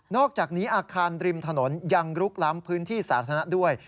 อกจากนี้อาคารริมถนนยังลุกล้ำพื้นที่สาธารณะด้วย